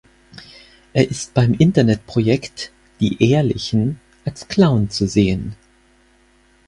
Er ist beim Internetprojekt "Die Ehrlichen" als Clown zu sehen.